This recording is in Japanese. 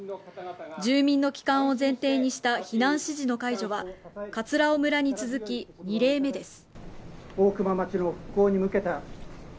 住民の帰還を前提にした避難指示の解除は葛尾村に続き２例目です